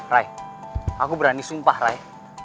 rai aku berani sumpah ray